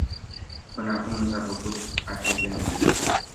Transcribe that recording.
Până acum nu s-a făcut acest demers.